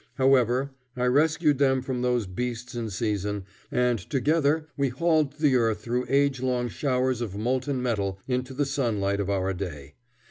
However, I rescued them from those beasts in season, and together we hauled the earth through age long showers of molten metal into the sunlight of our day.